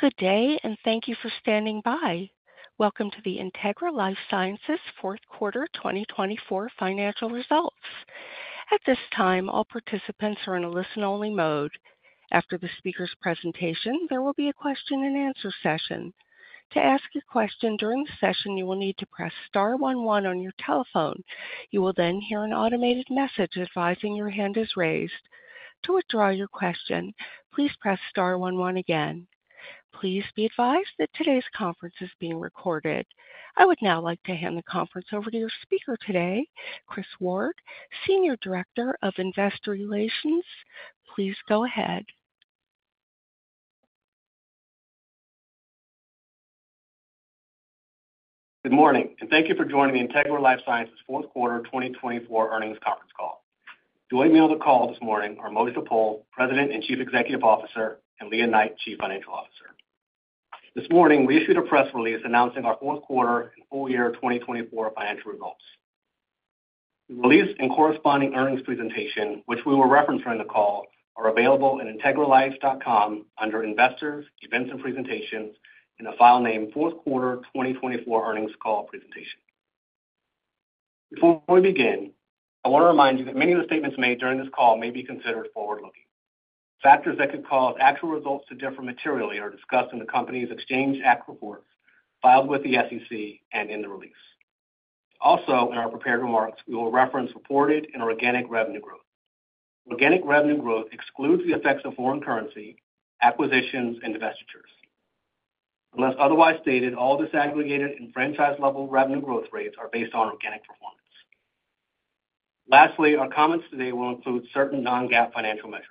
Good day, and thank you for standing by. Welcome to the Integra LifeSciences Fourth Quarter 2024 Financial Results. At this time, all participants are in a listen-only mode. After the speaker's presentation, there will be a question and answer session. To ask a question during the session, you will need to press star one one on your telephone. You will then hear an automated message advising your hand is raised. To withdraw your question, please press star one one again. Please be advised that today's conference is being recorded. I would now like to hand the conference over to your speaker today, Chris Ward, Senior Director of Investor Relations. Please go ahead. Good morning, and thank you for joining the Integra LifeSciences Fourth Quarter 2024 Earnings Conference Call. Joining me on the call this morning are Mojdeh Poul, President and Chief Executive Officer, and Lea Knight, Chief Financial Officer. This morning, we issued a press release announcing our fourth quarter and full year 2024 financial results. The release and corresponding earnings presentation, which we will reference during the call, are available at integralife.com under Investors, Events, and Presentations, in the file name Fourth Quarter 2024 Earnings Call Presentation. Before we begin, I want to remind you that many of the statements made during this call may be considered forward-looking. Factors that could cause actual results to differ materially are discussed in the company's Exchange Act reports filed with the SEC and in the release. Also, in our prepared remarks, we will reference reported and organic revenue growth. Organic revenue growth excludes the effects of foreign currency acquisitions and divestitures. Unless otherwise stated, all disaggregated and franchise-level revenue growth rates are based on organic performance. Lastly, our comments today will include certain non-GAAP financial measures.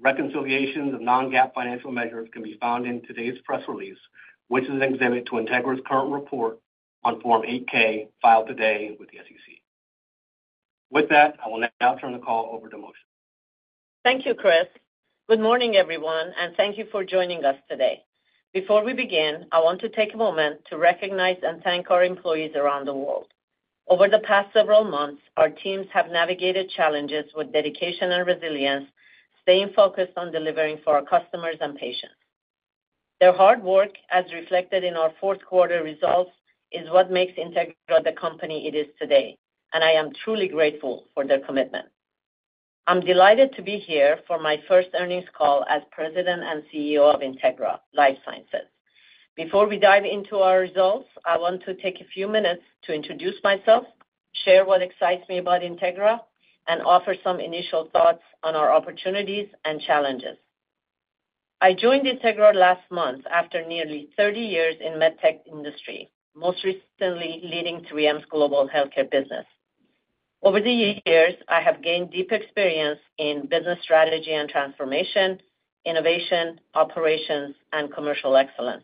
Reconciliations of non-GAAP financial measures can be found in today's press release, which is an exhibit to Integra's current report on Form 8-K filed today with the SEC. With that, I will now turn the call over to Mojdeh. Thank you, Chris. Good morning, everyone, and thank you for joining us today. Before we begin, I want to take a moment to recognize and thank our employees around the world. Over the past several months, our teams have navigated challenges with dedication and resilience, staying focused on delivering for our customers and patients. Their hard work, as reflected in our fourth quarter results, is what makes Integra the company it is today, and I am truly grateful for their commitment. I'm delighted to be here for my first earnings call as President and CEO of Integra LifeSciences. Before we dive into our results, I want to take a few minutes to introduce myself, share what excites me about Integra, and offer some initial thoughts on our opportunities and challenges. I joined Integra last month after nearly 30 years in the medtech industry, most recently leading 3M's global healthcare business. Over the years, I have gained deep experience in business strategy and transformation, innovation, operations, and commercial excellence.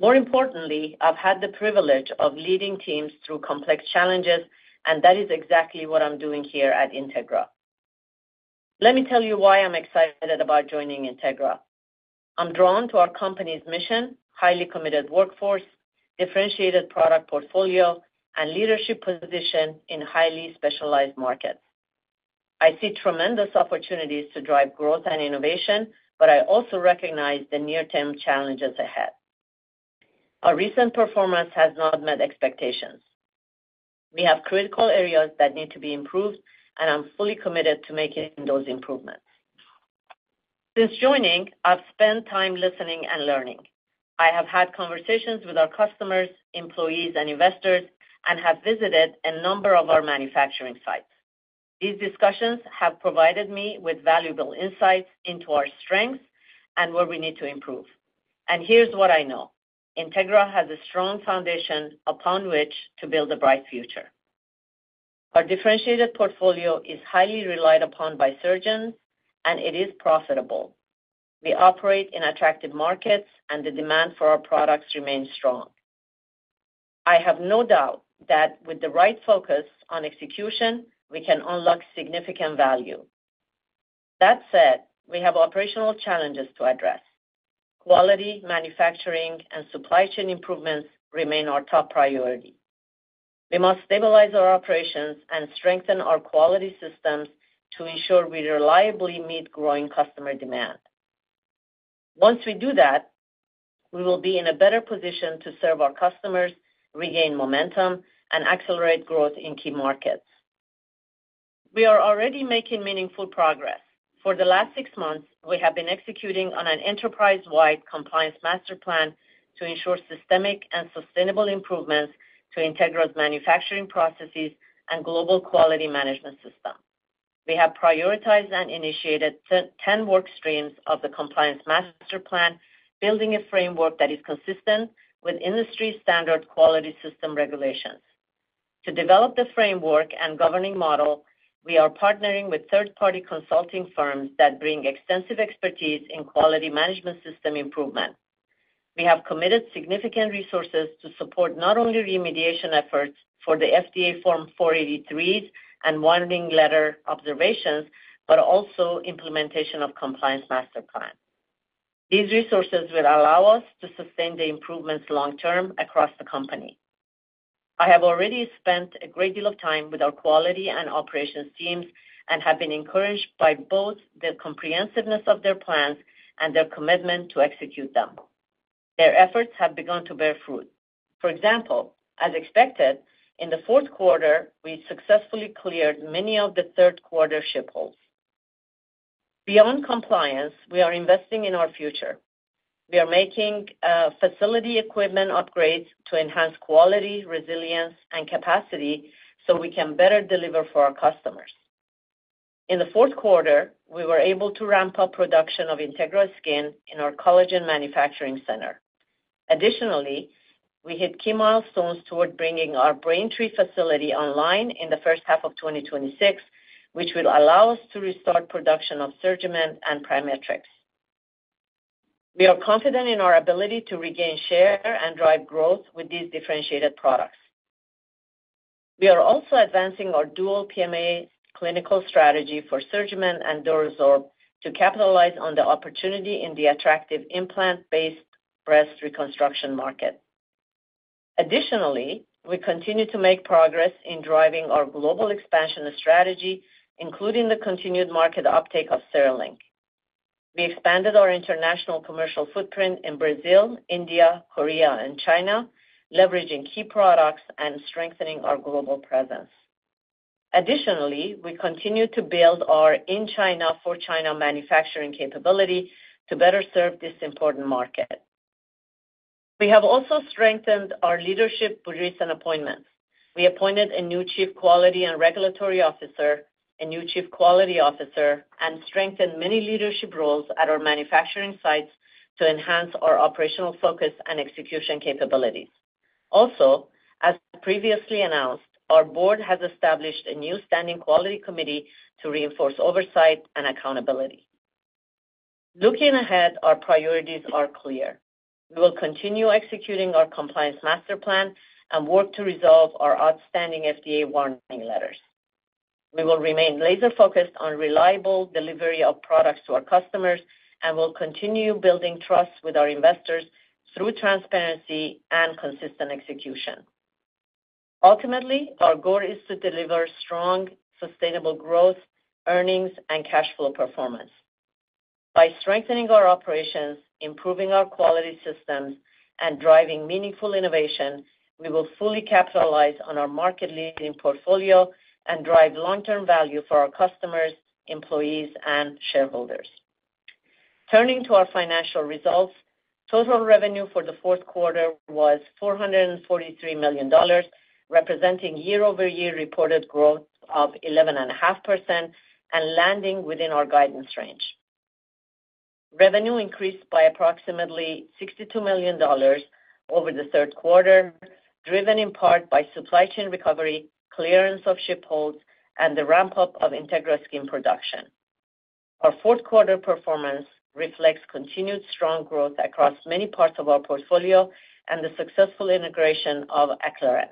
More importantly, I've had the privilege of leading teams through complex challenges, and that is exactly what I'm doing here at Integra. Let me tell you why I'm excited about joining Integra. I'm drawn to our company's mission, highly committed workforce, differentiated product portfolio, and leadership position in highly specialized markets. I see tremendous opportunities to drive growth and innovation, but I also recognize the near-term challenges ahead. Our recent performance has not met expectations. We have critical areas that need to be improved, and I'm fully committed to making those improvements. Since joining, I've spent time listening and learning. I have had conversations with our customers, employees, and investors, and have visited a number of our manufacturing sites. These discussions have provided me with valuable insights into our strengths and where we need to improve. Here's what I know: Integra has a strong foundation upon which to build a bright future. Our differentiated portfolio is highly relied upon by surgeons, and it is profitable. We operate in attractive markets, and the demand for our products remains strong. I have no doubt that with the right focus on execution, we can unlock significant value. That said, we have operational challenges to address. Quality, manufacturing, and supply chain improvements remain our top priority. We must stabilize our operations and strengthen our quality systems to ensure we reliably meet growing customer demand. Once we do that, we will be in a better position to serve our customers, regain momentum, and accelerate growth in key markets. We are already making meaningful progress. For the last six months, we have been executing on an enterprise-wide Compliance Master Plan to ensure systemic and sustainable improvements to Integra's manufacturing processes and global quality management system. We have prioritized and initiated 10 work streams of the Compliance Master Plan, building a framework that is consistent with industry-standard quality system regulations. To develop the framework and governing model, we are partnering with third-party consulting firms that bring extensive expertise in quality management system improvement. We have committed significant resources to support not only remediation efforts for the FDA Form 483s and warning letter observations, but also implementation of the Compliance Master Plan. These resources will allow us to sustain the improvements long-term across the company. I have already spent a great deal of time with our quality and operations teams and have been encouraged by both the comprehensiveness of their plans and their commitment to execute them. Their efforts have begun to bear fruit. For example, as expected, in the fourth quarter, we successfully cleared many of the third quarter ship holds. Beyond compliance, we are investing in our future. We are making facility equipment upgrades to enhance quality, resilience, and capacity so we can better deliver for our customers. In the fourth quarter, we were able to ramp up production of Integra Skin in our collagen manufacturing center. Additionally, we hit key milestones toward bringing our Braintree facility online in the first half of 2026, which will allow us to restart production of SurgiMend and PriMatrix. We are confident in our ability to regain share and drive growth with these differentiated products. We are also advancing our dual PMA clinical strategy for SurgiMend and DuraSorb to capitalize on the opportunity in the attractive implant-based breast reconstruction market. Additionally, we continue to make progress in driving our global expansion strategy, including the continued market uptake of CereLink. We expanded our international commercial footprint in Brazil, India, Korea, and China, leveraging key products and strengthening our global presence. Additionally, we continue to build our in-China, for China manufacturing capability to better serve this important market. We have also strengthened our leadership recent appointments. We appointed a new Chief Quality and Regulatory Officer, a new Chief Quality Officer, and strengthened many leadership roles at our manufacturing sites to enhance our operational focus and execution capabilities. Also, as previously announced, our board has established a new standing Quality Committee to reinforce oversight and accountability. Looking ahead, our priorities are clear. We will continue executing our Compliance Master Plan and work to resolve our outstanding FDA warning letters. We will remain laser-focused on reliable delivery of products to our customers and will continue building trust with our investors through transparency and consistent execution. Ultimately, our goal is to deliver strong, sustainable growth, earnings, and cash flow performance. By strengthening our operations, improving our quality systems, and driving meaningful innovation, we will fully capitalize on our market-leading portfolio and drive long-term value for our customers, employees, and shareholders. Turning to our financial results, total revenue for the fourth quarter was $443 million, representing year-over-year reported growth of 11.5% and landing within our guidance range. Revenue increased by approximately $62 million over the third quarter, driven in part by supply chain recovery, clearance of ship holds, and the ramp-up of Integra Skin production. Our fourth quarter performance reflects continued strong growth across many parts of our portfolio and the successful integration of Acclarent.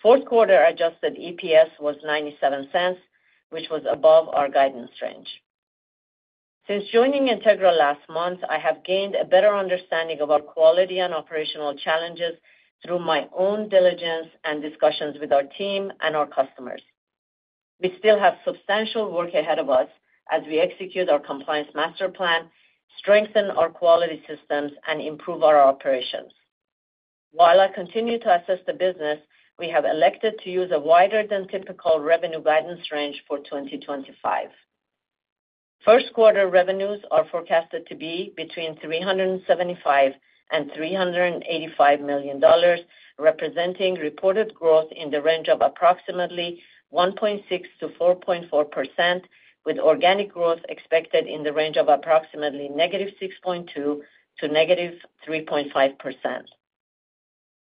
Fourth quarter adjusted EPS was $0.97, which was above our guidance range. Since joining Integra last month, I have gained a better understanding of our quality and operational challenges through my own diligence and discussions with our team and our customers. We still have substantial work ahead of us as we execute our Compliance Master Plan, strengthen our quality systems, and improve our operations. While I continue to assess the business, we have elected to use a wider than typical revenue guidance range for 2025. First quarter revenues are forecasted to be between $375 million-$385 million, representing reported growth in the range of approximately 1.6%-4.4%, with organic growth expected in the range of approximately -6.2% to -3.5%.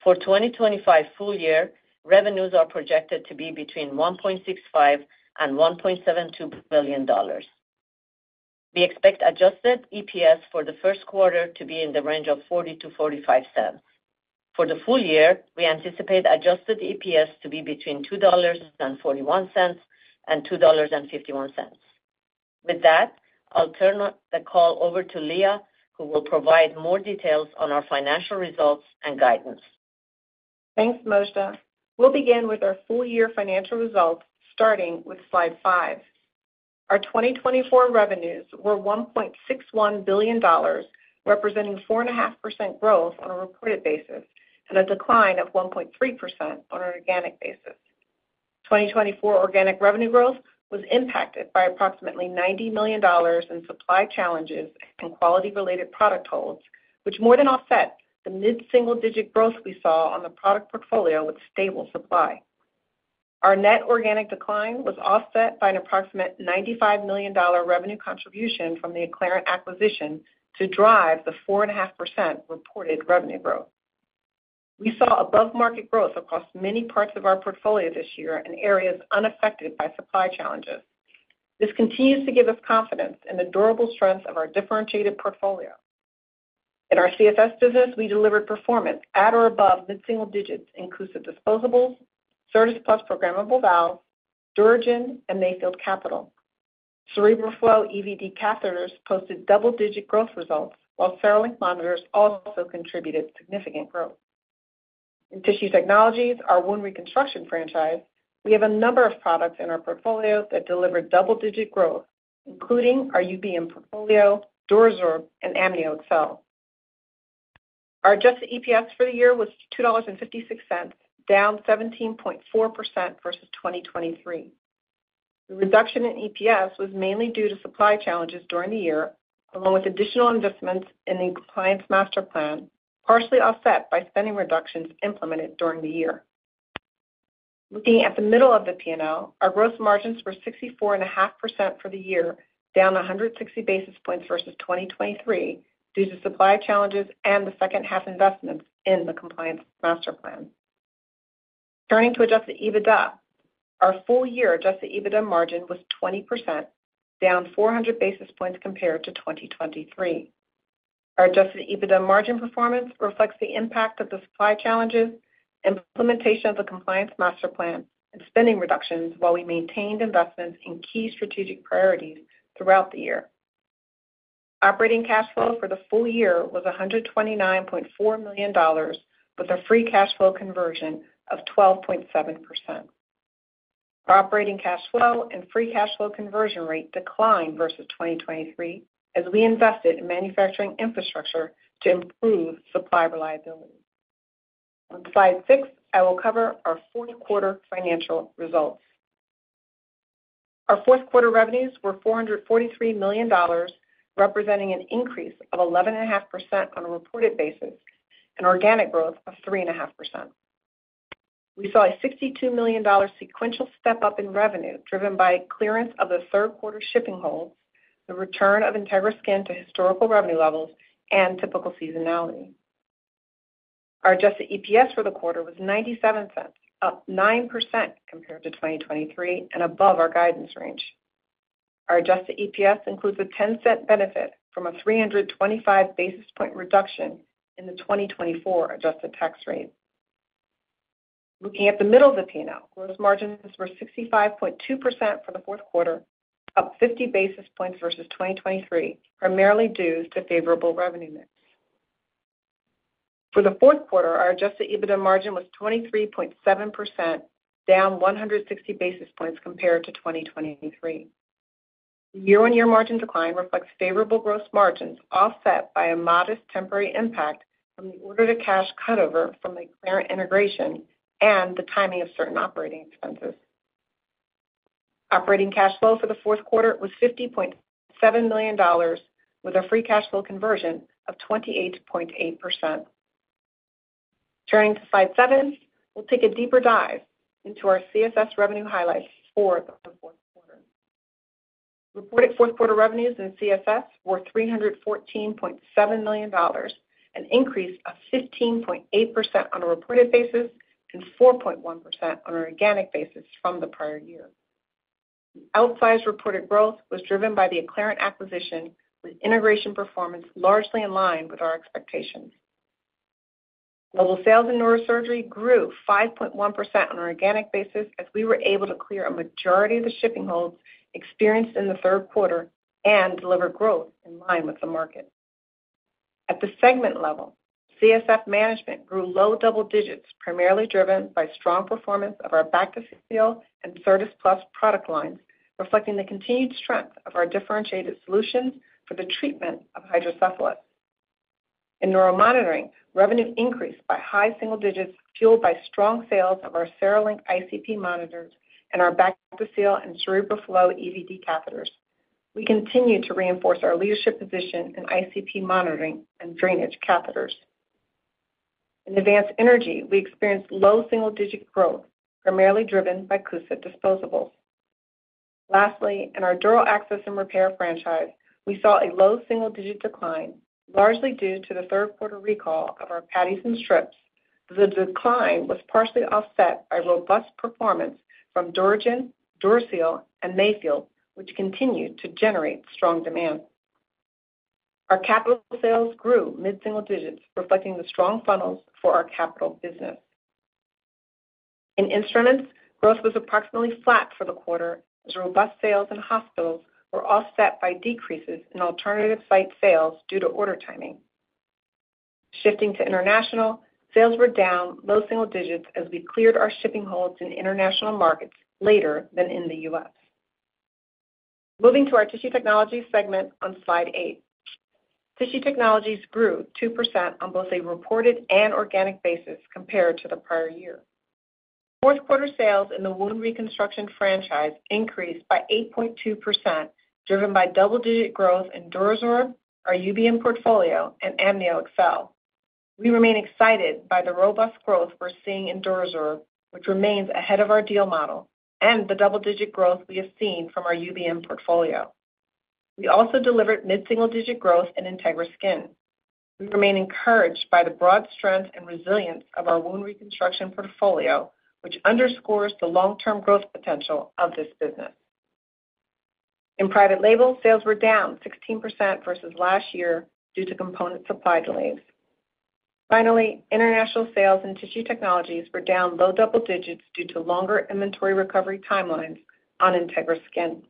For 2025 full year, revenues are projected to be between $1.65 billion-$1.72 billion. We expect Adjusted EPS for the first quarter to be in the range of $0.40-$0.45. For the full year, we anticipate Adjusted EPS to be between $2.41 and $2.51. With that, I'll turn the call over to Lea, who will provide more details on our financial results and guidance. Thanks, Mojdeh. We'll begin with our full year financial results, starting with slide five. Our 2024 revenues were $1.61 billion, representing 4.5% growth on a reported basis and a decline of 1.3% on an organic basis. 2024 organic revenue growth was impacted by approximately $90 million in supply challenges and quality-related product holds, which more than offset the mid-single-digit growth we saw on the product portfolio with stable supply. Our net organic decline was offset by an approximate $95 million revenue contribution from the Acclarent acquisition to drive the 4.5% reported revenue growth. We saw above-market growth across many parts of our portfolio this year in areas unaffected by supply challenges. This continues to give us confidence in the durable strength of our differentiated portfolio. In our CSS business, we delivered performance at or above mid-single digits including disposables, Certas Plus programmable valves, DuraGen, and Mayfield capital. CerebroFlo EVD catheters posted double-digit growth results, while CereLink monitors also contributed significant growth. In Tissue Technologies, our wound reconstruction franchise, we have a number of products in our portfolio that deliver double-digit growth, including our UBM portfolio, DuraSorb, and AmnioExcel. Our adjusted EPS for the year was $2.56, down 17.4% versus 2023. The reduction in EPS was mainly due to supply challenges during the year, along with additional investments in the Compliance Master Plan, partially offset by spending reductions implemented during the year. Looking at the middle of the P&L, our gross margins were 64.5% for the year, down 160 basis points versus 2023 due to supply challenges and the second-half investments in the Compliance Master Plan. Turning to adjusted EBITDA, our full year adjusted EBITDA margin was 20%, down 400 basis points compared to 2023. Our adjusted EBITDA margin performance reflects the impact of the supply challenges, implementation of the Compliance Master Plan, and spending reductions while we maintained investments in key strategic priorities throughout the year. Operating cash flow for the full year was $129.4 million, with a free cash flow conversion of 12.7%. Our operating cash flow and free cash flow conversion rate declined versus 2023 as we invested in manufacturing infrastructure to improve supply reliability. On slide six, I will cover our fourth quarter financial results. Our fourth quarter revenues were $443 million, representing an increase of 11.5% on a reported basis and organic growth of 3.5%. We saw a $62 million sequential step-up in revenue driven by clearance of the third-quarter shipping holds, the return of Integra Skin to historical revenue levels, and typical seasonality. Our adjusted EPS for the quarter was $0.97, up 9% compared to 2023 and above our guidance range. Our adjusted EPS includes a $0.10 benefit from a 325 basis point reduction in the 2024 adjusted tax rate. Looking at the middle of the P&L, gross margins were 65.2% for the fourth quarter, up 50 basis points versus 2023, primarily due to favorable revenue mix. For the fourth quarter, our adjusted EBITDA margin was 23.7%, down 160 basis points compared to 2023. The year-on-year margin decline reflects favorable gross margins offset by a modest temporary impact from the order-to-cash cutover from the Acclarent integration and the timing of certain operating expenses. Operating cash flow for the fourth quarter was $50.7 million, with a free cash flow conversion of 28.8%. Turning to slide seven, we'll take a deeper dive into our CSS revenue highlights for the fourth quarter. Reported fourth quarter revenues in CSS were $314.7 million, an increase of 15.8% on a reported basis and 4.1% on an organic basis from the prior year. The outsized reported growth was driven by the Acclarent acquisition, with integration performance largely in line with our expectations. Global sales in neurosurgery grew 5.1% on an organic basis as we were able to clear a majority of the shipping holds experienced in the third quarter and deliver growth in line with the market. At the segment level, CSF management grew low double digits, primarily driven by strong performance of our Bactiseal and Certas Plus product lines, reflecting the continued strength of our differentiated solutions for the treatment of hydrocephalus. In neuromonitoring, revenue increased by high single digits fueled by strong sales of our CereLink ICP monitors and our Bactiseal and CerebroFlo EVD catheters. We continue to reinforce our leadership position in ICP monitoring and drainage catheters. In advanced energy, we experienced low single-digit growth, primarily driven by CUSA disposables. Lastly, in our dural access and repair franchise, we saw a low single-digit decline, largely due to the third quarter recall of our patties and strips. The decline was partially offset by robust performance from DuraGen, DuraSeal, and Mayfield, which continued to generate strong demand. Our capital sales grew mid-single digits, reflecting the strong funnels for our capital business. In instruments, growth was approximately flat for the quarter, as robust sales in hospitals were offset by decreases in alternative site sales due to order timing. Shifting to international, sales were down low single digits as we cleared our shipping holds in international markets later than in the U.S. Moving to our Tissue Technology segment on slide eight, Tissue Technologies grew 2% on both a reported and organic basis compared to the prior year. Fourth quarter sales in the wound reconstruction franchise increased by 8.2%, driven by double-digit growth in DuraSorb, our UBM portfolio, and AmnioExcel. We remain excited by the robust growth we're seeing in DuraSorb, which remains ahead of our deal model, and the double-digit growth we have seen from our UBM portfolio. We also delivered mid-single digit growth in Integra Skin. We remain encouraged by the broad strength and resilience of our wound reconstruction portfolio, which underscores the long-term growth potential of this business. In Private Label, sales were down 16% versus last year due to component supply delays. Finally, international sales in Tissue Technologies were down low double digits due to longer inventory recovery timelines on Integra Skin.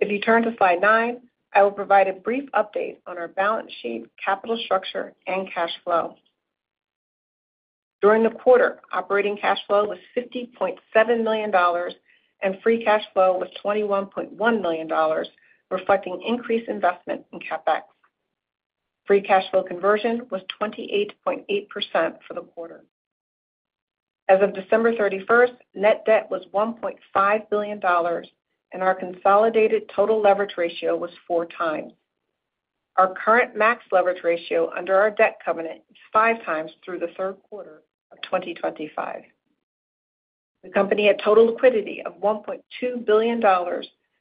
If you turn to slide nine, I will provide a brief update on our balance sheet, capital structure, and cash flow. During the quarter, operating cash flow was $50.7 million, and free cash flow was $21.1 million, reflecting increased investment in CapEx. Free cash flow conversion was 28.8% for the quarter. As of December 31st, net debt was $1.5 billion, and our consolidated total leverage ratio was 4x. Our current max leverage ratio under our debt covenant is 5x through the third quarter of 2025. The company had total liquidity of $1.2 billion,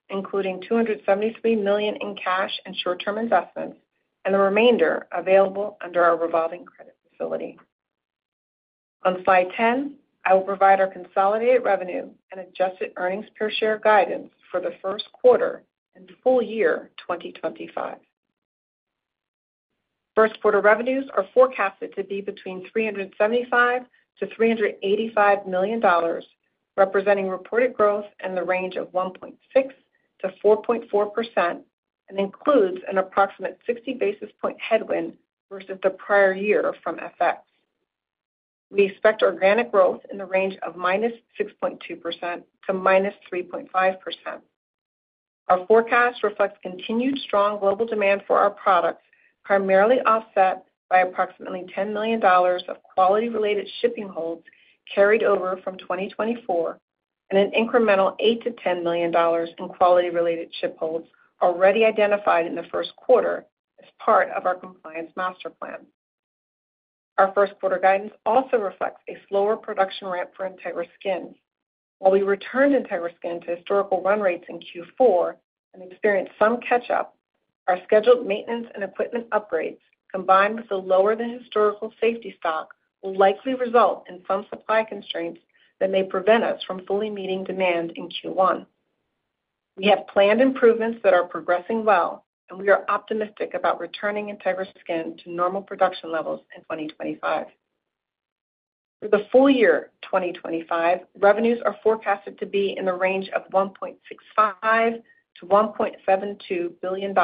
including $273 million in cash and short-term investments, and the remainder available under our revolving credit facility. On slide 10, I will provide our consolidated revenue and adjusted earnings per share guidance for the first quarter and full year 2025. First quarter revenues are forecasted to be between $375 million-$385 million, representing reported growth in the range of 1.6%-4.4%, and includes an approximate 60 basis point headwind versus the prior year from FX. We expect organic growth in the range of -6.2% to -3.5%. Our forecast reflects continued strong global demand for our products, primarily offset by approximately $10 million of quality-related shipping holds carried over from 2024, and an incremental $8-$10 million in quality-related ship holds already identified in the first quarter as part of our Compliance Master Plan. Our first quarter guidance also reflects a slower production ramp for Integra Skin. While we returned Integra Skin to historical run rates in Q4 and experienced some catch-up, our scheduled maintenance and equipment upgrades, combined with a lower-than-historical safety stock, will likely result in some supply constraints that may prevent us from fully meeting demand in Q1. We have planned improvements that are progressing well, and we are optimistic about returning Integra Skin to normal production levels in 2025. For the full year 2025, revenues are forecasted to be in the range of $1.65 billion-$1.72 billion,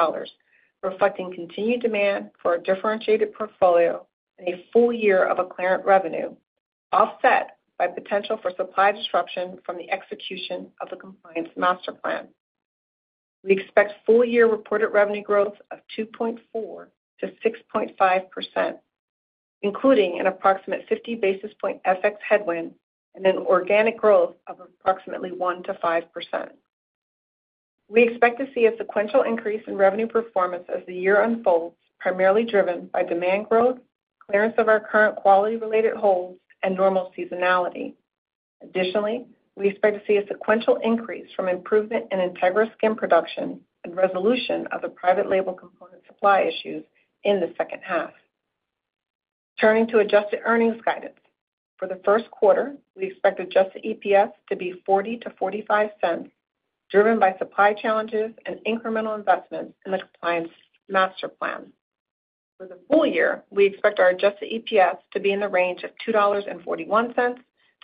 reflecting continued demand for a differentiated portfolio and a full year of Acclarent revenue, offset by potential for supply disruption from the execution of the Compliance Master Plan. We expect full year reported revenue growth of 2.4%-6.5%, including an approximate 50 basis points FX headwind and an organic growth of approximately 1%-5%. We expect to see a sequential increase in revenue performance as the year unfolds, primarily driven by demand growth, clearance of our current quality-related holds, and normal seasonality. Additionally, we expect to see a sequential increase from improvement in Integra Skin production and resolution of the private label component supply issues in the second half. Turning to adjusted earnings guidance, for the first quarter, we expect Adjusted EPS to be $0.40-$0.45, driven by supply challenges and incremental investments in the Compliance Master Plan. For the full year, we expect our Adjusted EPS to be in the range of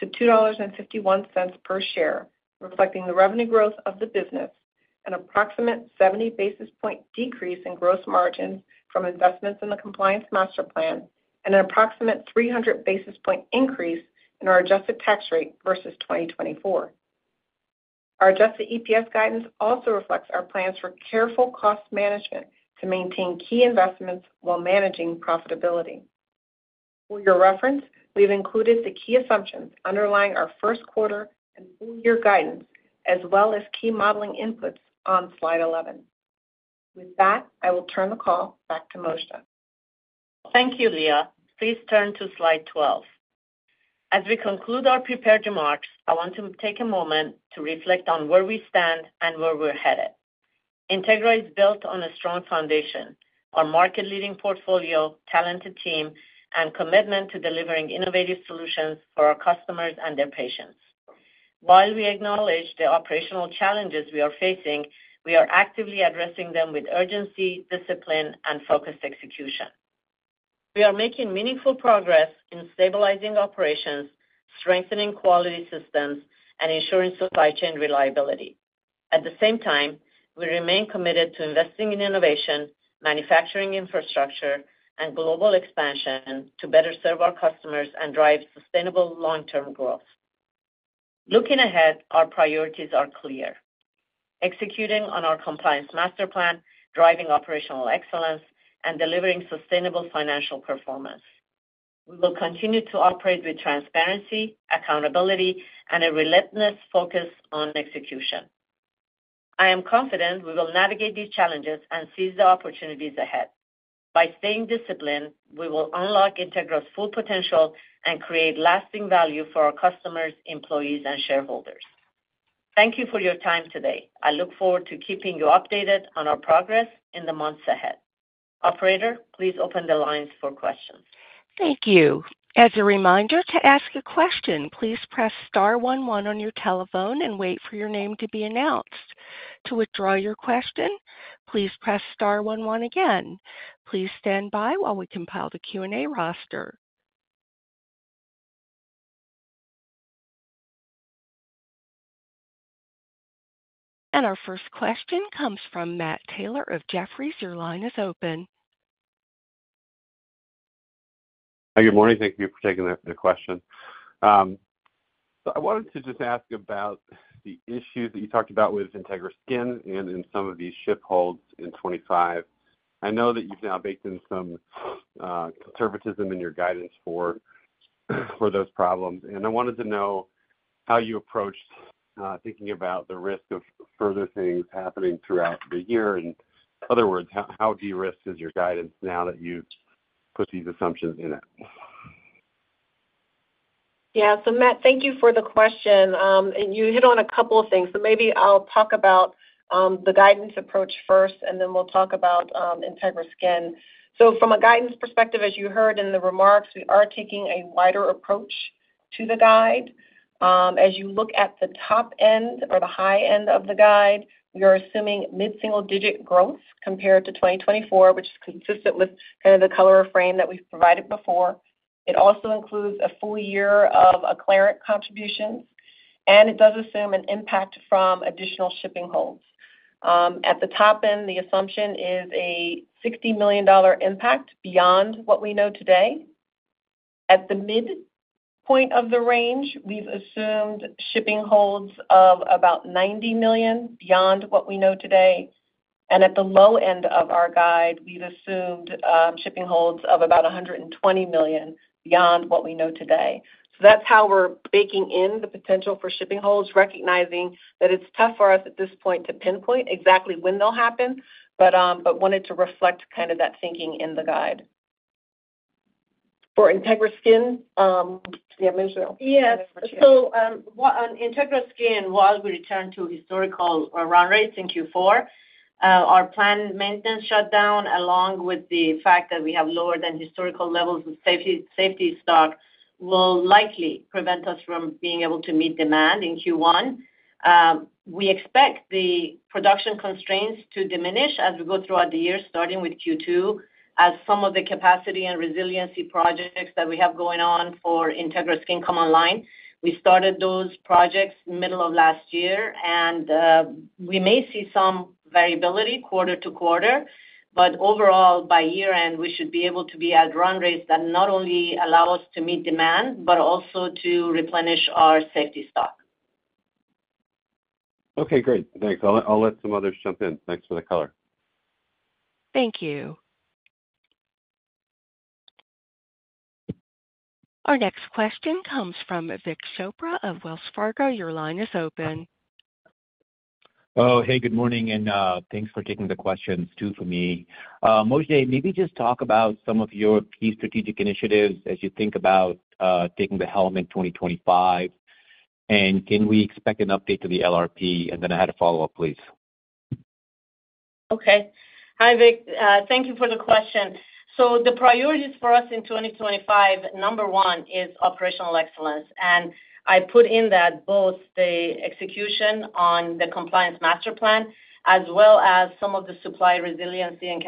$2.41-$2.51 per share, reflecting the revenue growth of the business, an approximate 70 basis points decrease in gross margins from investments in the Compliance Master Plan, and an approximate 300 basis points increase in our adjusted tax rate versus 2024. Our adjusted EPS guidance also reflects our plans for careful cost management to maintain key investments while managing profitability. For your reference, we've included the key assumptions underlying our first quarter and full year guidance, as well as key modeling inputs on slide 11. With that, I will turn the call back to Mojdeh. Thank you, Lea. Please turn to slide 12. As we conclude our prepared remarks, I want to take a moment to reflect on where we stand and where we're headed. Integra is built on a strong foundation, our market-leading portfolio, talented team, and commitment to delivering innovative solutions for our customers and their patients. While we acknowledge the operational challenges we are facing, we are actively addressing them with urgency, discipline, and focused execution. We are making meaningful progress in stabilizing operations, strengthening quality systems, and ensuring supply chain reliability. At the same time, we remain committed to investing in innovation, manufacturing infrastructure, and global expansion to better serve our customers and drive sustainable long-term growth. Looking ahead, our priorities are clear: executing on our Compliance Master Plan, driving operational excellence, and delivering sustainable financial performance. We will continue to operate with transparency, accountability, and a relentless focus on execution. I am confident we will navigate these challenges and seize the opportunities ahead. By staying disciplined, we will unlock Integra's full potential and create lasting value for our customers, employees, and shareholders. Thank you for your time today. I look forward to keeping you updated on our progress in the months ahead. Operator, please open the lines for questions. Thank you. As a reminder to ask a question, please press star one one on your telephone and wait for your name to be announced. To withdraw your question, please press star one one again. Please stand by while we compile the Q&A roster. And our first question comes from Matt Taylor of Jefferies. Your line is open. Hi, good morning. Thank you for taking the question. So I wanted to just ask about the issues that you talked about with Integra Skin and in some of these ship holds in 2025. I know that you've now baked in some conservatism in your guidance for those problems, and I wanted to know how you approached thinking about the risk of further things happening throughout the year. In other words, how de-risked is your guidance now that you've put these assumptions in it? Yeah. So Matt, thank you for the question. You hit on a couple of things, so maybe I'll talk about the guidance approach first, and then we'll talk about Integra Skin. From a guidance perspective, as you heard in the remarks, we are taking a wider approach to the guide. As you look at the top end or the high end of the guide, we are assuming mid-single digit growth compared to 2024, which is consistent with kind of the color frame that we've provided before. It also includes a full year of Acclarent contributions, and it does assume an impact from additional shipping holds. At the top end, the assumption is a $60 million impact beyond what we know today. At the midpoint of the range, we've assumed shipping holds of about $90 million beyond what we know today. At the low end of our guide, we've assumed shipping holds of about $120 million beyond what we know today. So that's how we're baking in the potential for shipping holds, recognizing that it's tough for us at this point to pinpoint exactly when they'll happen, but wanted to reflect kind of that thinking in the guide. For Integra Skin, did I mention that? Yes. So on Integra Skin, while we return to historical run rates in Q4, our planned maintenance shutdown, along with the fact that we have lower-than-historical levels of safety stock, will likely prevent us from being able to meet demand in Q1. We expect the production constraints to diminish as we go throughout the year, starting with Q2, as some of the capacity and resiliency projects that we have going on for Integra Skin come online. We started those projects middle of last year, and we may see some variability quarter-to-quarter, but overall, by year-end, we should be able to be at run rates that not only allow us to meet demand but also to replenish our safety stock. Okay. Great. Thanks. I'll let some others jump in. Thanks for the color. Thank you. Our next question comes from Vik Chopra of Wells Fargo. Your line is open. Oh, hey, good morning, and thanks for taking the questions. Two for me. Mojdeh, maybe just talk about some of your key strategic initiatives as you think about taking the helm in 2025, and can we expect an update to the LRP? And then I had a follow-up, please. Okay. Hi, Vik. Thank you for the question. So the priorities for us in 2025, number one, is operational excellence. I put in that both the execution on the Compliance Master Plan as well as some of the supply resiliency and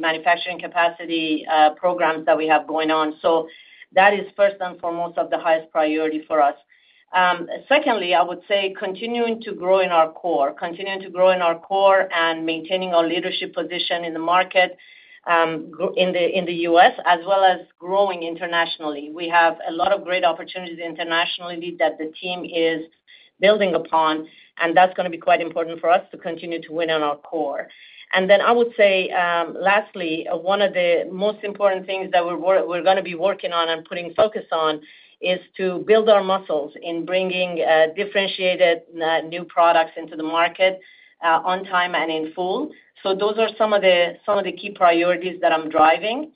manufacturing capacity programs that we have going on. That is first and foremost of the highest priority for us. Secondly, I would say continuing to grow in our core, continuing to grow in our core, and maintaining our leadership position in the market in the U.S., as well as growing internationally. We have a lot of great opportunities internationally that the team is building upon, and that's going to be quite important for us to continue to win in our core. I would say, lastly, one of the most important things that we're going to be working on and putting focus on is to build our muscles in bringing differentiated new products into the market on time and in full. So those are some of the key priorities that I'm driving.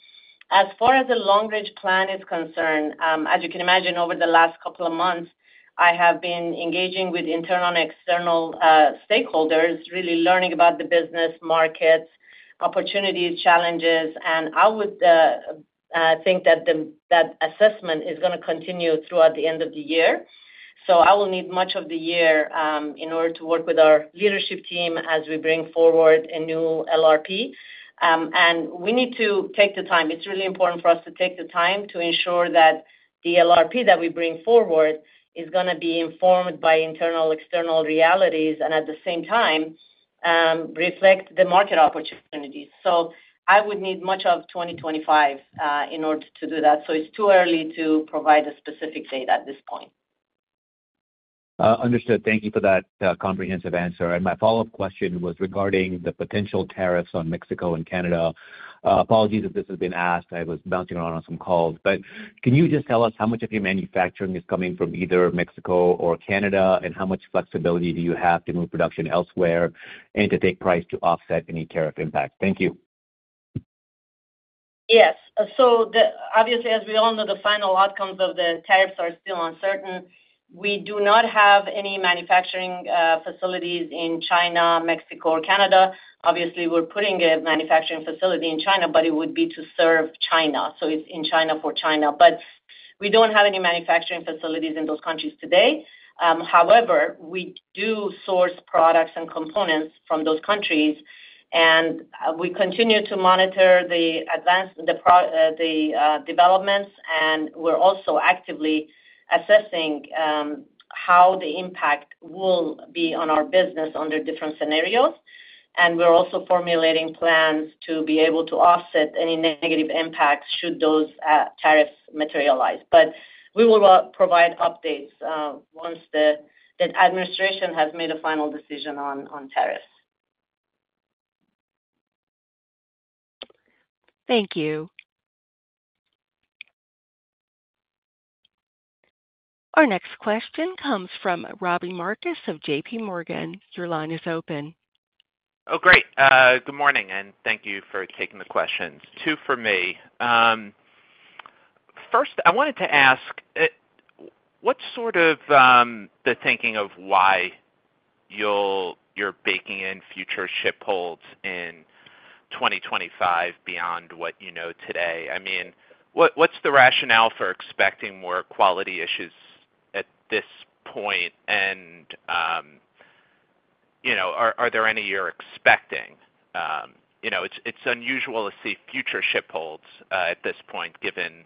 As far as the long-range plan is concerned, as you can imagine, over the last couple of months, I have been engaging with internal and external stakeholders, really learning about the business, markets, opportunities, challenges, and I would think that that assessment is going to continue throughout the end of the year. So I will need much of the year in order to work with our leadership team as we bring forward a new LRP. And we need to take the time. It's really important for us to take the time to ensure that the LRP that we bring forward is going to be informed by internal/external realities and, at the same time, reflect the market opportunities. So I would need much of 2025 in order to do that. It's too early to provide a specific date at this point. Understood. Thank you for that comprehensive answer. My follow-up question was regarding the potential tariffs on Mexico and Canada. Apologies if this has been asked. I was bouncing around on some calls. Can you just tell us how much of your manufacturing is coming from either Mexico or Canada, and how much flexibility do you have to move production elsewhere and to take price to offset any tariff impact? Thank you. Yes. Obviously, as we all know, the final outcomes of the tariffs are still uncertain. We do not have any manufacturing facilities in China, Mexico, or Canada. Obviously, we're putting a manufacturing facility in China, but it would be to serve China. It's in China for China. We don't have any manufacturing facilities in those countries today. However, we do source products and components from those countries, and we continue to monitor the developments, and we're also actively assessing how the impact will be on our business under different scenarios. And we're also formulating plans to be able to offset any negative impacts should those tariffs materialize. But we will provide updates once the administration has made a final decision on tariffs. Thank you. Our next question comes from Robbie Marcus of JPMorgan. Your line is open. Oh, great. Good morning, and thank you for taking the questions. Two for me. First, I wanted to ask, what's sort of the thinking of why you're baking in future ship holds in 2025 beyond what you know today? I mean, what's the rationale for expecting more quality issues at this point? And are there any you're expecting? It's unusual to see future ship holds at this point, given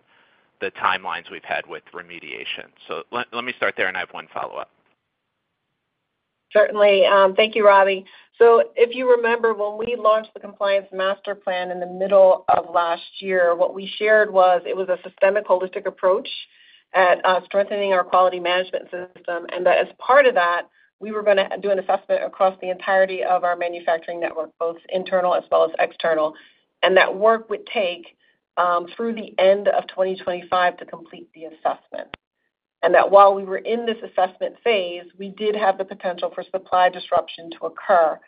the timelines we've had with remediation. So let me start there, and I have one follow-up. Certainly. Thank you, Robbie. So if you remember, when we launched the Compliance Master Plan in the middle of last year, what we shared was it was a systemic, holistic approach at strengthening our quality management system, and that as part of that, we were going to do an assessment across the entirety of our manufacturing network, both internal as well as external, and that work would take through the end of 2025 to complete the assessment, and that while we were in this assessment phase, we did have the potential for supply disruption to occur.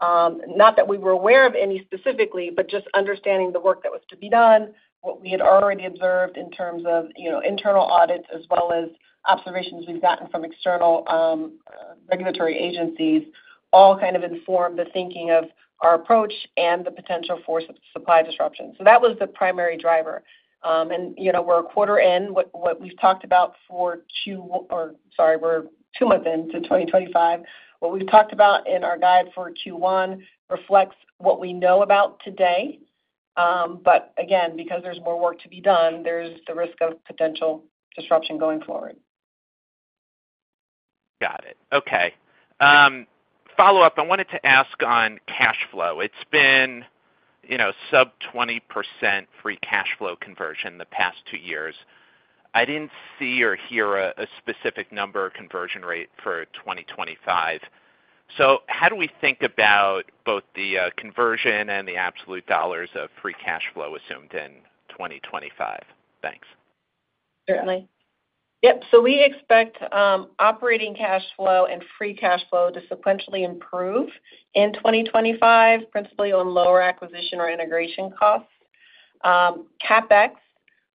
Not that we were aware of any specifically, but just understanding the work that was to be done, what we had already observed in terms of internal audits as well as observations we've gotten from external regulatory agencies, all kind of informed the thinking of our approach and the potential for supply disruption. So that was the primary driver. And we're a quarter in what we've talked about for Q or sorry, we're two months into 2025. What we've talked about in our guide for Q1 reflects what we know about today. But again, because there's more work to be done, there's the risk of potential disruption going forward. Got it. Okay. Follow-up. I wanted to ask on cash flow. It's been sub-20% free cash flow conversion the past two years. I didn't see or hear a specific number conversion rate for 2025. So how do we think about both the conversion and the absolute dollars of free cash flow assumed in 2025? Thanks. Certainly. Yep. So we expect operating cash flow and free cash flow to sequentially improve in 2025, principally on lower acquisition or integration costs. CapEx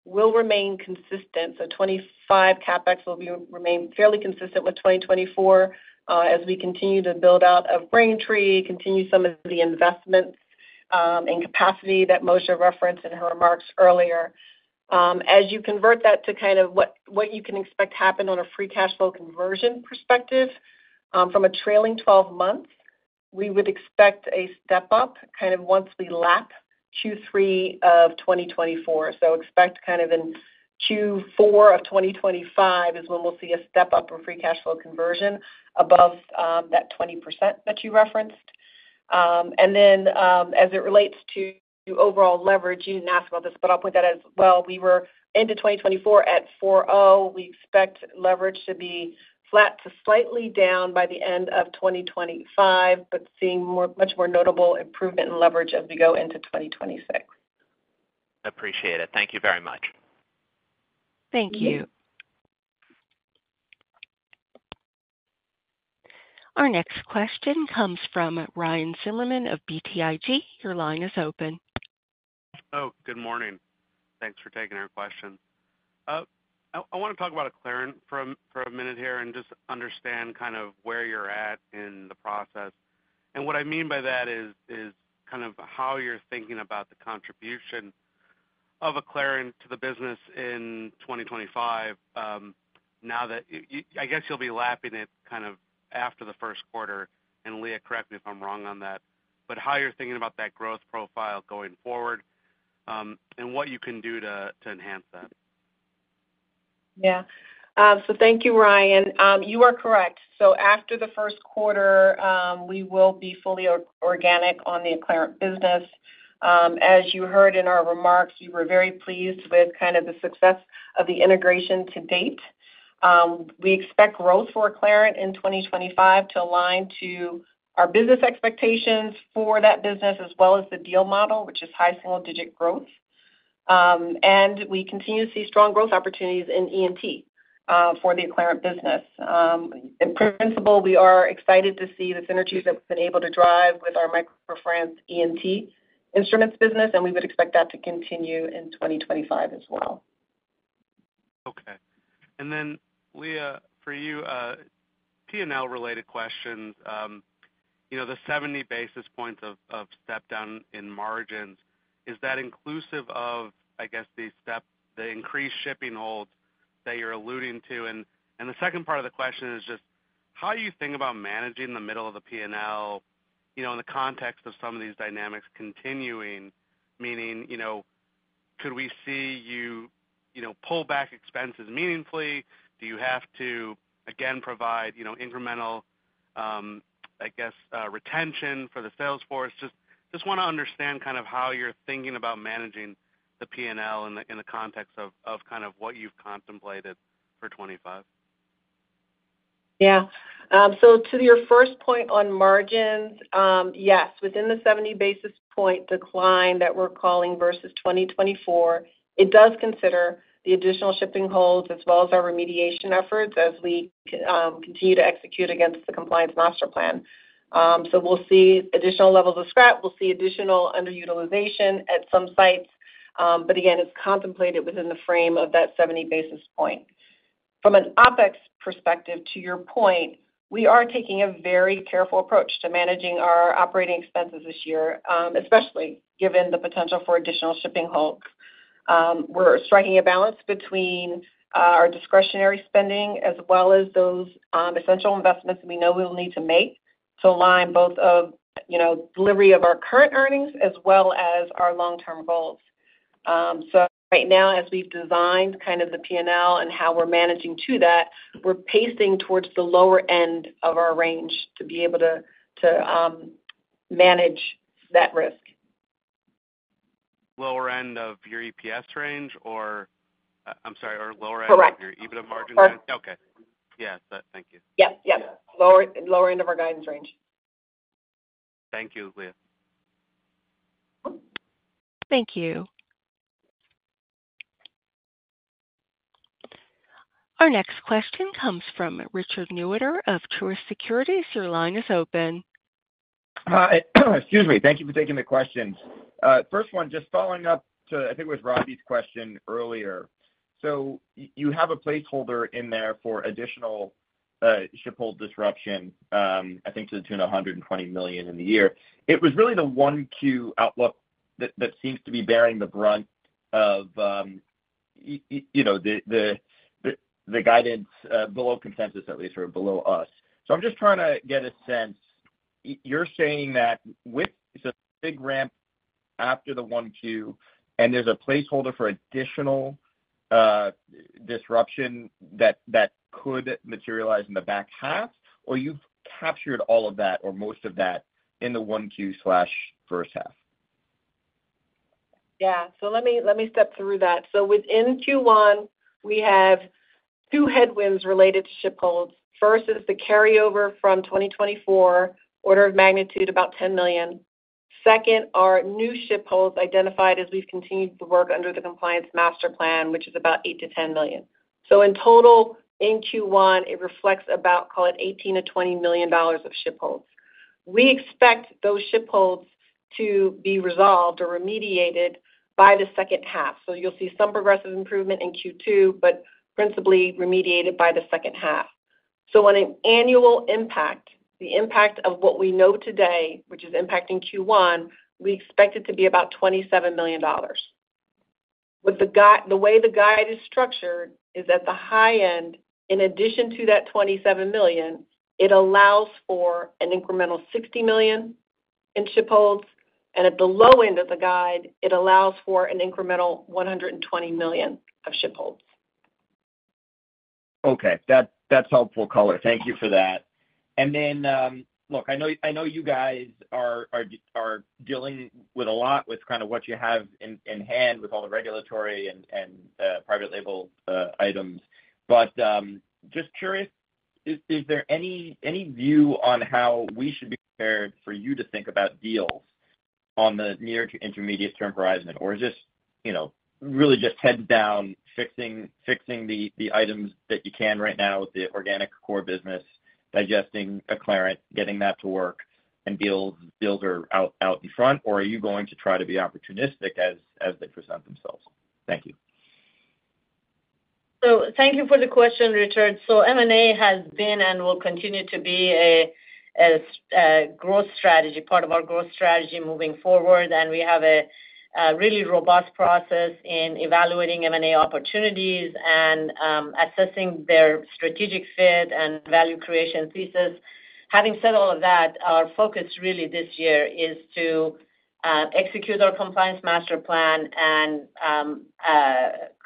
will remain consistent. So 2025 CapEx will remain fairly consistent with 2024 as we continue to build out of Braintree, continue some of the investments and capacity that Mojdeh referenced in her remarks earlier. As you convert that to kind of what you can expect to happen on a free cash flow conversion perspective from a trailing 12 months, we would expect a step-up kind of once we lap Q3 of 2024. So expect kind of in Q4 of 2025 is when we'll see a step-up of free cash flow conversion above that 20% that you referenced. And then as it relates to overall leverage, you didn't ask about this, but I'll point that out as well. We were into 2024 at 4.0. We expect leverage to be flat to slightly down by the end of 2025, but seeing much more notable improvement in leverage as we go into 2026. I appreciate it. Thank you very much. Thank you. Our next question comes from Ryan Zimmerman of BTIG. Your line is open. Oh, good morning. Thanks for taking our question. I want to talk about Acclarent for a minute here and just understand kind of where you're at in the process. And what I mean by that is kind of how you're thinking about the contribution of Acclarent to the business in 2025 now that I guess you'll be lapping it kind of after the first quarter, and Lea, correct me if I'm wrong on that, but how you're thinking about that growth profile going forward and what you can do to enhance that? Yeah. So thank you, Ryan. You are correct. So after the first quarter, we will be fully organic on the Acclarent business. As you heard in our remarks, we were very pleased with kind of the success of the integration to date. We expect growth for Acclarent in 2025 to align to our business expectations for that business as well as the deal model, which is high single-digit growth. And we continue to see strong growth opportunities in ENT for the Acclarent business. In principle, we are excited to see the synergies that we've been able to drive with our MicroFrance ENT instruments business, and we would expect that to continue in 2025 as well. Okay. And then, Lea, for you, P&L-related questions, the 70 basis points of step-down in margins, is that inclusive of, I guess, the increased ship holds that you're alluding to? And the second part of the question is just how you think about managing the middle of the P&L in the context of some of these dynamics continuing, meaning could we see you pull back expenses meaningfully? Do you have to, again, provide incremental, I guess, retention for the sales force? Just want to understand kind of how you're thinking about managing the P&L in the context of kind of what you've contemplated for 2025. Yeah. To your first point on margins, yes, within the 70 basis points decline that we're calling versus 2024, it does consider the additional shipping holds as well as our remediation efforts as we continue to execute against the Compliance Master Plan. We'll see additional levels of scrap. We'll see additional underutilization at some sites. But again, it's contemplated within the frame of that 70 basis points. From an OpEx perspective, to your point, we are taking a very careful approach to managing our operating expenses this year, especially given the potential for additional shipping holds. We're striking a balance between our discretionary spending as well as those essential investments we know we'll need to make to align both the delivery of our current earnings as well as our long-term goals. So right now, as we've designed kind of the P&L and how we're managing to that, we're pacing towards the lower end of our range to be able to manage that risk. Lower end of your EPS range? I'm sorry, or lower end of your EBITDA margin? Correct. Okay. Yes. Thank you. Yep. Yep. Lower end of our guidance range. Thank you, Lea. Thank you. Our next question comes from Richard Newitter of Truist Securities. Your line is open. Excuse me. Thank you for taking the questions. First one, just following up to, I think, with Robbie's question earlier. So you have a placeholder in there for additional ship hold disruption, I think, to the tune of $120 million in the year. It was really the 1Q outlook that seems to be bearing the brunt of the guidance, below consensus at least, or below us. I'm just trying to get a sense. You're saying that with so big ramp after the 1Q, and there's a placeholder for additional disruption that could materialize in the back half, or you've captured all of that or most of that in the 1Q/first half? Yeah. Let me step through that. Within Q1, we have two headwinds related to ship holds. First is the carryover from 2024, order of magnitude about $10 million. Second, our new ship holds identified as we've continued to work under the Compliance Master Plan, which is about $8 million-$10 million. In total, in Q1, it reflects about, call it, $18 million-$20 million of ship holds. We expect those ship holds to be resolved or remediated by the second half. You'll see some progressive improvement in Q2, but principally remediated by the second half. On an annual impact, the impact of what we know today, which is impacting Q1, we expect it to be about $27 million. The way the guide is structured is at the high end, in addition to that $27 million, it allows for an incremental $60 million in ship holds. And at the low end of the guide, it allows for an incremental $120 million of ship holds. Okay. That's helpful color. Thank you for that. And then, look, I know you guys are dealing with a lot with kind of what you have in hand with all the regulatory and private label items. But just curious, is there any view on how we should be prepared for you to think about deals on the near to intermediate-term horizon? Or is this really just heads down, fixing the items that you can right now with the organic core business, digesting Acclarent, getting that to work, and deals are out in front? Or are you going to try to be opportunistic as they present themselves? Thank you. So thank you for the question, Richard. So M&A has been and will continue to be a growth strategy, part of our growth strategy moving forward, and we have a really robust process in evaluating M&A opportunities and assessing their strategic fit and value creation thesis. Having said all of that, our focus really this year is to execute our Compliance Master Plan and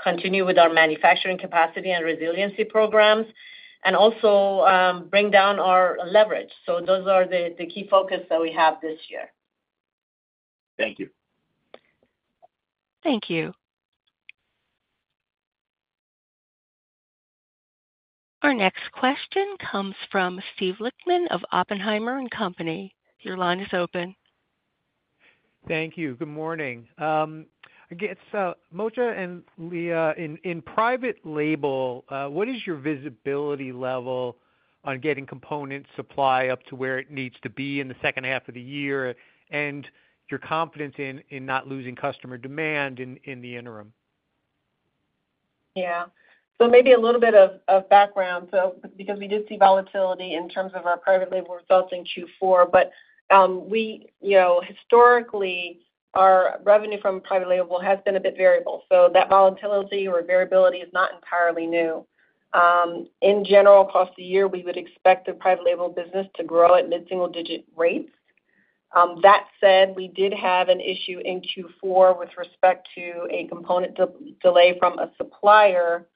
continue with our manufacturing capacity and resiliency programs, and also bring down our leverage. So those are the key focus that we have this year. Thank you. Thank you. Our next question comes from Steve Lichtman of Oppenheimer & Company. Your line is open. Thank you. Good morning. Mojdeh and Lea, in private label, what is your visibility level on getting component supply up to where it needs to be in the second half of the year and your confidence in not losing customer demand in the interim? Yeah. So maybe a little bit of background because we did see volatility in terms of our private label results in Q4. But historically, our revenue from private label has been a bit variable. So that volatility or variability is not entirely new. In general, across the year, we would expect the private label business to grow at mid-single-digit rates. That said, we did have an issue in Q4 with respect to a component delay from a supplier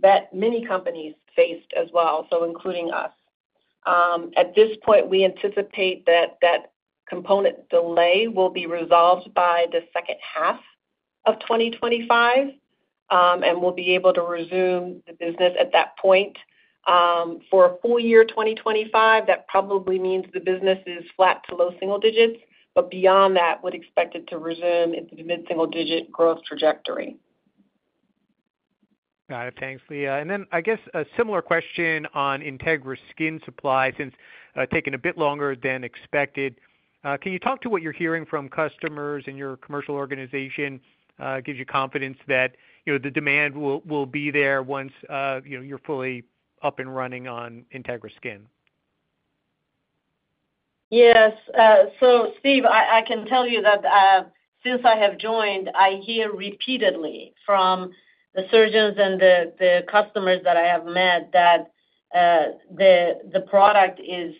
that many companies faced as well, so including us. At this point, we anticipate that that component delay will be resolved by the second half of 2025, and we'll be able to resume the business at that point. For full year 2025, that probably means the business is flat to low-single-digits, but beyond that, we'd expect it to resume into the mid-single-digit growth trajectory. Got it. Thanks, Lea. And then, I guess, a similar question on Integra Skin supply, since taking a bit longer than expected. Can you talk to what you're hearing from customers and your commercial organization gives you confidence that the demand will be there once you're fully up and running on Integra Skin? Yes. So Steve, I can tell you that since I have joined, I hear repeatedly from the surgeons and the customers that I have met that the product is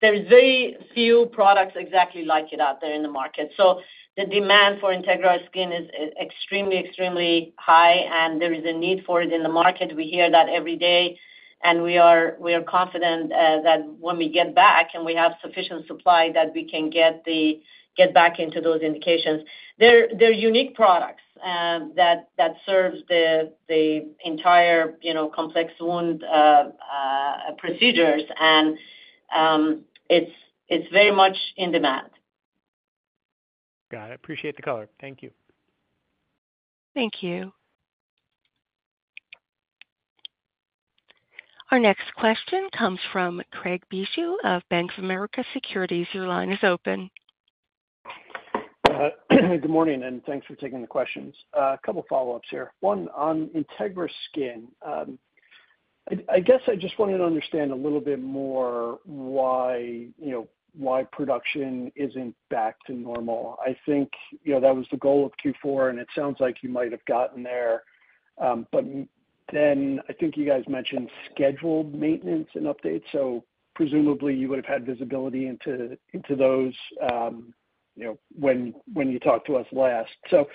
there are very few products exactly like it out there in the market. So the demand for Integra Skin is extremely, extremely high, and there is a need for it in the market. We hear that every day. And we are confident that when we get back and we have sufficient supply that we can get back into those indications. They're unique products that serve the entire complex wound procedures, and it's very much in demand. Got it. Appreciate the color. Thank you. Thank you. Our next question comes from Craig Bijou of Bank of America Securities. Your line is open. Good morning, and thanks for taking the questions. A couple of follow-ups here. One on Integra Skin. I guess I just wanted to understand a little bit more why production isn't back to normal. I think that was the goal of Q4, and it sounds like you might have gotten there. But then I think you guys mentioned scheduled maintenance and updates. So presumably, you would have had visibility into those when you talked to us last. So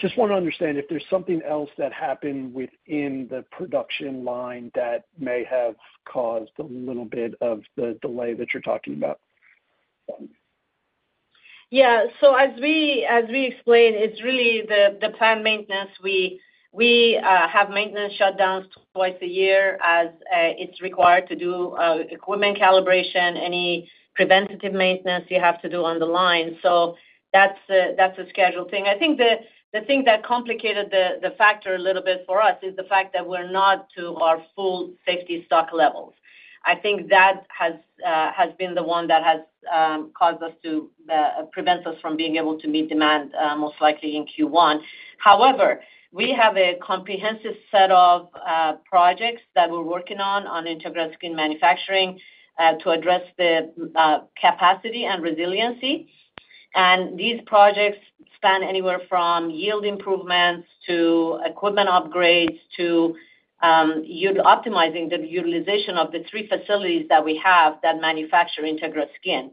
just want to understand if there's something else that happened within the production line that may have caused a little bit of the delay that you're talking about. Yeah. So as we explained, it's really the planned maintenance. We have maintenance shutdowns twice a year as it's required to do equipment calibration, any preventative maintenance you have to do on the line. So that's a scheduled thing. I think the thing that complicated the picture a little bit for us is the fact that we're not to our full safety stock levels. I think that has been the one that has caused us to prevent us from being able to meet demand, most likely in Q1. However, we have a comprehensive set of projects that we're working on Integra Skin manufacturing to address the capacity and resiliency. And these projects span anywhere from yield improvements to equipment upgrades to optimizing the utilization of the three facilities that we have that manufacture Integra Skin.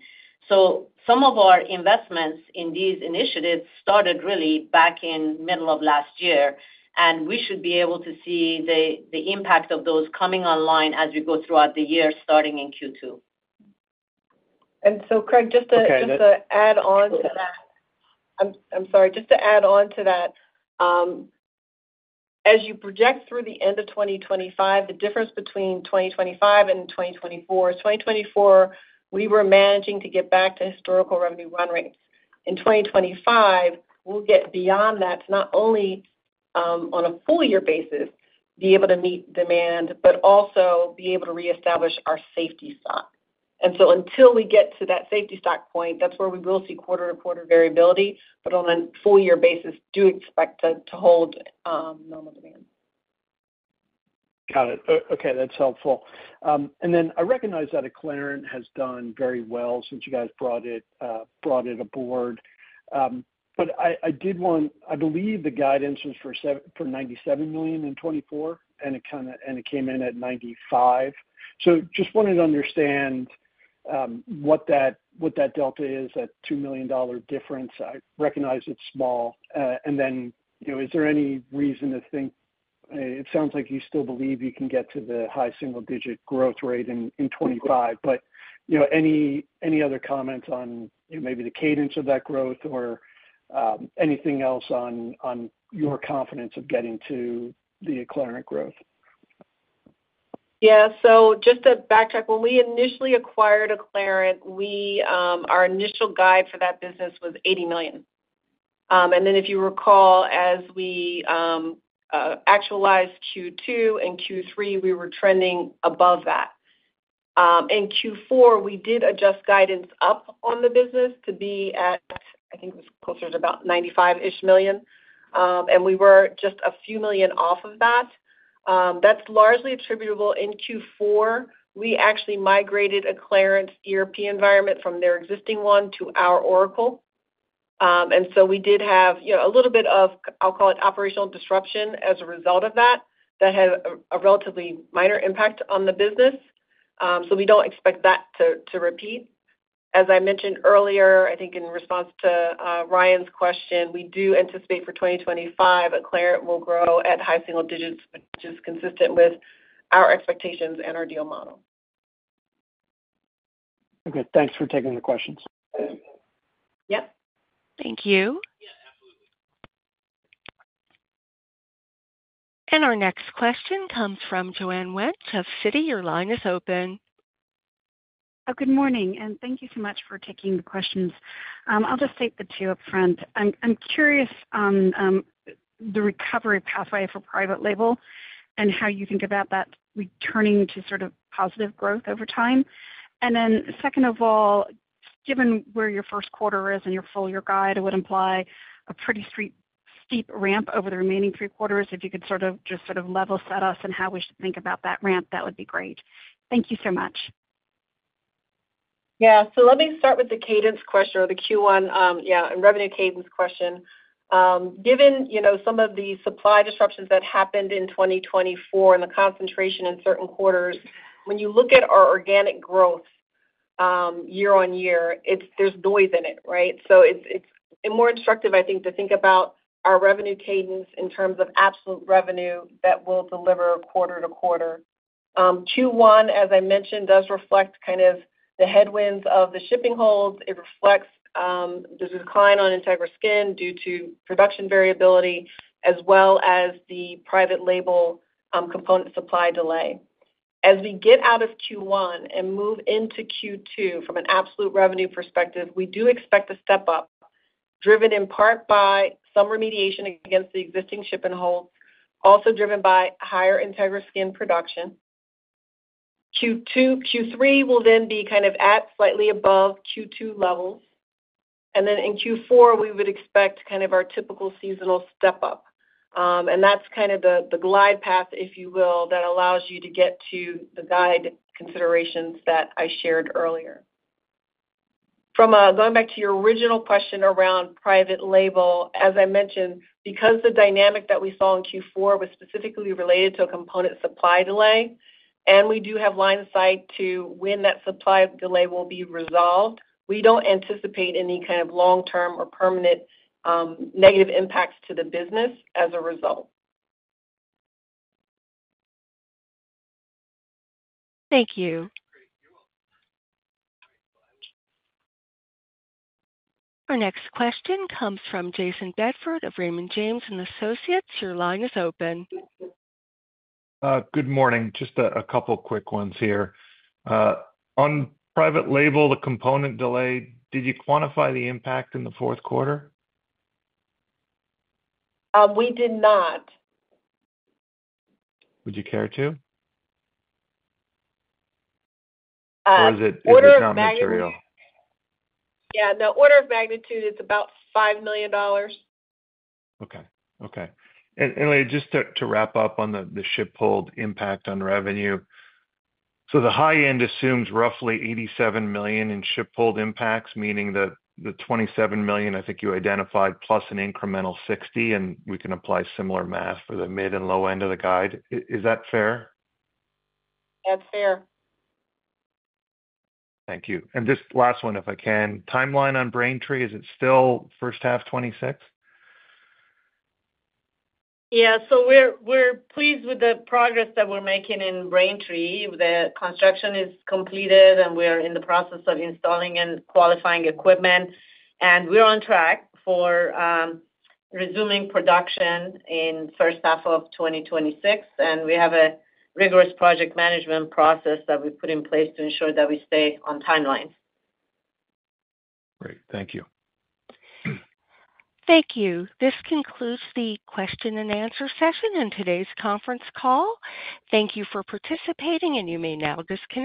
So some of our investments in these initiatives started really back in the middle of last year. And we should be able to see the impact of those coming online as we go throughout the year, starting in Q2. And so, Craig, just to add on to that. I'm sorry. Just to add on to that, as you project through the end of 2025, the difference between 2025 and 2024. 2024, we were managing to get back to historical revenue run rates. In 2025, we'll get beyond that to not only, on a full-year basis, be able to meet demand, but also be able to reestablish our safety stock. And so until we get to that safety stock point, that's where we will see quarter-to-quarter variability. But on a full-year basis, do expect to hold normal demand. Got it. Okay. That's helpful. And then I recognize that Acclarent has done very well since you guys brought it aboard. But I believe the guidance was for $97 million in 2024, and it came in at $95 million. So just wanted to understand what that delta is, that $2 million difference. I recognize it's small. And then is there any reason to think it sounds like you still believe you can get to the high single-digit growth rate in 2025? But any other comments on maybe the cadence of that growth or anything else on your confidence of getting to the Acclarent growth? Yeah. So just to backtrack, when we initially acquired Acclarent, our initial guide for that business was $80 million. And then, if you recall, as we actualized Q2 and Q3, we were trending above that. In Q4, we did adjust guidance up on the business to be at, I think it was closer to about $95-ish million. And we were just a few million off of that. That's largely attributable in Q4. We actually migrated Acclarent's ERP environment from their existing one to our Oracle. And so we did have a little bit of, I'll call it, operational disruption as a result of that that had a relatively minor impact on the business. So we don't expect that to repeat. As I mentioned earlier, I think in response to Ryan's question, we do anticipate for 2025, Acclarent will grow at high single digits, which is consistent with our expectations and our deal model. Okay. Thanks for taking the questions. Yep. Thank you. And our next question comes from Joanne Wuensch of Citi. Your line is open. Good morning. And thank you so much for taking the questions. I'll just state the two upfront. I'm curious on the recovery pathway for private label and how you think about that returning to sort of positive growth over time. And then, second of all, given where your first quarter is and your full-year guide would imply a pretty steep ramp over the remaining three quarters, if you could sort of just sort of level set us in how we should think about that ramp, that would be great. Thank you so much. Yeah. So let me start with the cadence question or the Q1, yeah, and revenue cadence question. Given some of the supply disruptions that happened in 2024 and the concentration in certain quarters, when you look at our organic growth year-on-year, there's noise in it, right? So it's more instructive, I think, to think about our revenue cadence in terms of absolute revenue that will deliver quarter-to-quarter. Q1, as I mentioned, does reflect kind of the headwinds of the ship holds. It reflects the decline on Integra Skin due to production variability as well as the private label component supply delay. As we get out of Q1 and move into Q2 from an absolute revenue perspective, we do expect a step up driven in part by some remediation against the existing shipping holds, also driven by higher Integra Skin production. Q3 will then be kind of at slightly above Q2 levels. And then in Q4, we would expect kind of our typical seasonal step up. And that's kind of the glide path, if you will, that allows you to get to the guide considerations that I shared earlier. Going back to your original question around private label, as I mentioned, because the dynamic that we saw in Q4 was specifically related to a component supply delay, and we do have line of sight to when that supply delay will be resolved, we don't anticipate any kind of long-term or permanent negative impacts to the business as a result. Thank you. Our next question comes from Jayson Bedford of Raymond James and Associates. Your line is open. Good morning. Just a couple of quick ones here. On private label, the component delay, did you quantify the impact in the fourth quarter? We did not. Would you care to? Or is it in terms of material? Yeah. No, order of magnitude is about $5 million. Okay. Okay. And just to wrap up on the ship hold impact on revenue, so the high end assumes roughly $87 million in ship hold impacts, meaning the $27 million I think you identified plus an incremental $60 million, and we can apply similar math for the mid and low end of the guide. Is that fair? That's fair. Thank you. And this last one, if I can, timeline on Braintree, is it still first half of 2026? Yeah. So we're pleased with the progress that we're making in Braintree. The construction is completed, and we are in the process of installing and qualifying equipment. And we're on track for resuming production in first half of 2026. And we have a rigorous project management process that we put in place to ensure that we stay on timelines. Great. Thank you. Thank you. This concludes the question and answer session in today's conference call. Thank you for participating, and you may now disconnect.